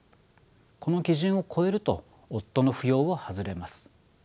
この基準を超えると夫の扶養を外れます。